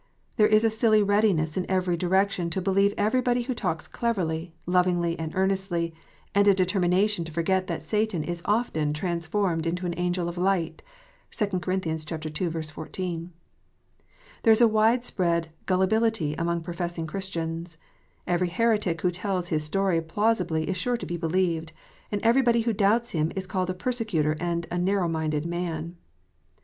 There is a silly readiness in every direc tion to believe everybody who talks cleverly, lovingly, and earnestly, and a determination to forget that Satan is often "transformed into an angel of light." (2 Cor. ii. 14.) There is a wide spread "gullibility" among professing Christians: every heretic who tells his story plausibly is sure to be believed, and everybody who doubts him is called a persecutor arid a narrow minded man.